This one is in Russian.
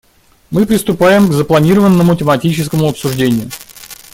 Мы приступаем к запланированному тематическому обсуждению.